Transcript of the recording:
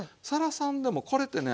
さんでもこれってね